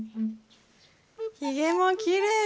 ひげもきれいまだ。